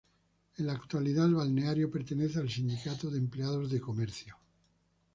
En la actualidad, el balneario pertenece al Sindicato de Empleados de Comercio.